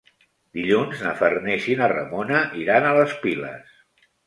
Dilluns na Farners i na Ramona iran a les Piles.